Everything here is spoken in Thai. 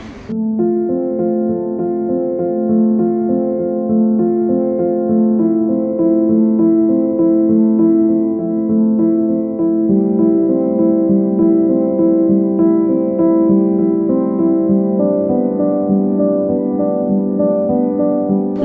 แม่หูยืน